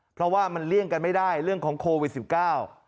เพราะว่ามันเลี่ยงกันไม่ได้เรื่องของโควิดสิบเก้า